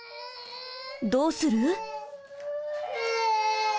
どうする！？